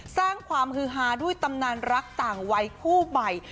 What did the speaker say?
สร้างความฮือฮาด้วยตำนานรักต่างวัยคู่ใหม่